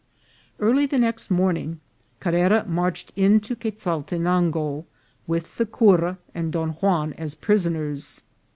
Early the next morning Carrera marched into Quez altenango, with the cura and Don Juan as prisoners.